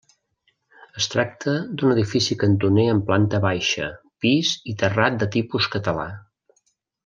Es tracta d'un edifici cantoner amb planta baixa, pis i terrat de tipus català.